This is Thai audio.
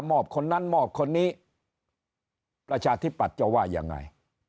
คนนั้นมอบคนนี้ประชาธิปัตย์จะว่ายังไง